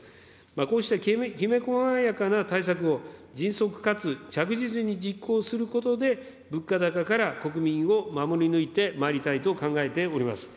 こうしたきめ細やかな対策を迅速かつ着実に実行することで、物価高から国民を守り抜いてまいりたいと考えております。